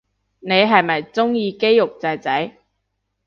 你係咪鍾意肌肉仔仔